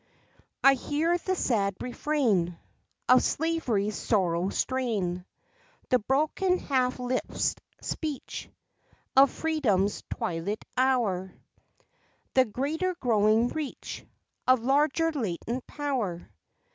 I hear the sad refrain, Of slavery's sorrow strain; The broken half lispt speech Of freedom's twilit hour; The greater growing reach Of larger latent power.